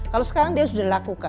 kalau sekarang dia sudah lakukan